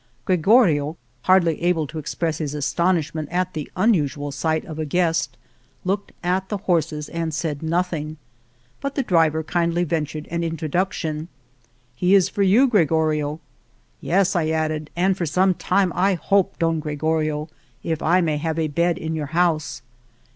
Gregorio, hardly able to express his astonishment at the unusual sight of a guest, looked at the horses and said nothing. But the driver kindly vent ured an introduction, He is for you, Gre gorio." Yes," I added, and for some time, I hope, Don Gregorio, if I may have a bed in your house."